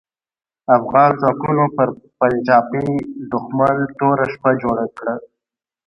افغان ځواکونو پر پنجاپي دوښمن توره شپه جوړه کړه.